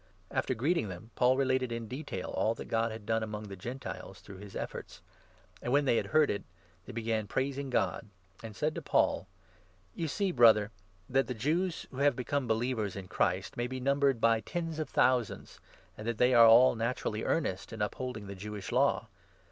After greeting them, 19 Paul related in detail all that God had done among the Gentiles through his efforts ; and, when they had heard it, they 20 began praising God, and said to Paul :" You see, Brother, that the Jews who have become believers in Christ may be numbered by tens of thousands, and they are all naturally earnest in upholding the Jewish Law.